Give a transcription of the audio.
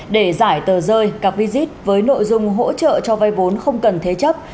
để giải tờ rơi cạc visit với nội dung hỗ trợ cho vay vốn không cần thế chấp